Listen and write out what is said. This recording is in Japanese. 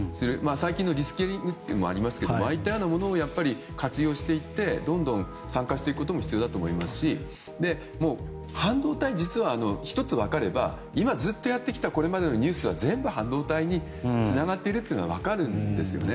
最近のリスキリングというのもありますがああいったものを活用してどんどん参加していくことも必要だと思いますし半導体は１つ分かればずっとやってきたこれまでのニュースは全部半導体につながっていることが分かるんですよね。